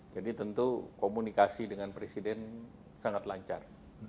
jadi tentu komunikasi dengan presiden sangat lancar